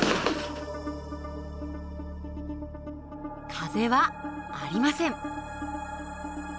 風はありません。